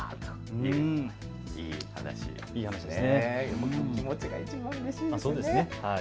こういう気持ちがいちばんうれしいですね。